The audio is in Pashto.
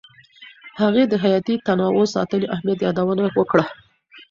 هغې د حیاتي تنوع ساتنې اهمیت یادونه وکړه.